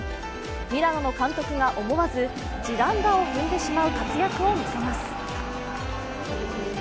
ミラノの監督が思わず地団駄を踏んでしまう活躍を見せます。